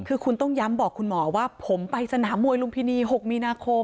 คือคุณต้องย้ำบอกคุณหมอว่าผมไปสนามมวยลุมพินี๖มีนาคม